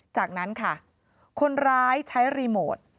จากนั้นค่ะคนร้ายใช้รีโมท